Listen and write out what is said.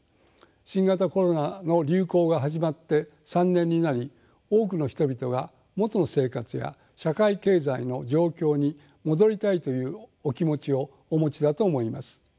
新型コロナの流行が始まって３年になり多くの人々が元の生活や社会経済の状況に戻りたいというお気持ちをお持ちだと思います。